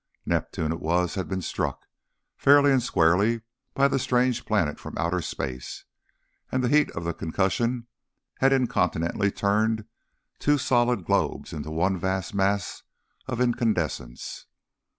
Neptune it was, had been struck, fairly and squarely, by the strange planet from outer space and the heat of the concussion had incontinently turned two solid globes into one vast mass of incandescence.